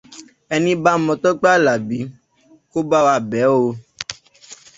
Ẹni bá mọ Tọ́pẹ́ Àlàbí kó bá wa bẹ̀ẹ́ o.